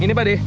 ini pak de